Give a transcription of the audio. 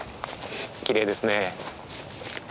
きれいですね。